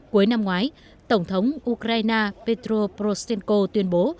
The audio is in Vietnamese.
cuối năm ngoái tổng thống ukraine petro poroshenko tuyên bố